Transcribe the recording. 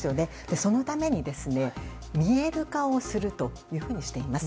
そのために見える化をするというふうにしています。